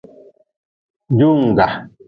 Jungga.